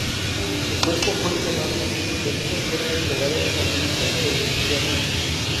Su cuerpo fue cremado y sus cenizas fueron entregadas a su hijo en Louisiana.